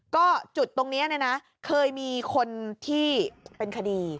ก็จุดตรงนี้เนี่ยนะเคยมีคนที่เป็นคดี